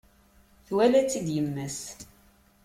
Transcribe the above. Twala-tt-id yemma-s.